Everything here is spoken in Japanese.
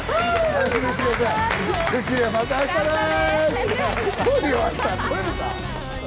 『スッキリ』はまた明日です。